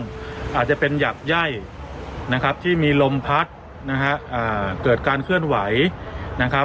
มันมันมันมันมันมันมันมันมันมันมันมันมันมันมันมัน